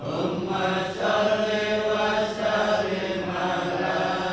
ummah syari' wa syari' mala